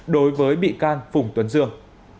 đối với bị can phùng tuấn dương